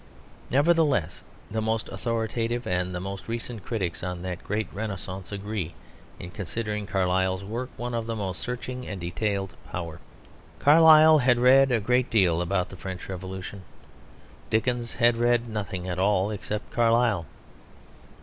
Nevertheless, the most authoritative and the most recent critics on that great renaissance agree in considering Carlyle's work one of the most searching and detailed power. Carlyle had read a great deal about the French Revolution. Dickens had read nothing at all, except Carlyle.